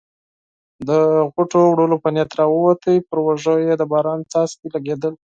د غوټو وړلو په نیت راووت، پر اوږو یې د باران څاڅکي لګېدل.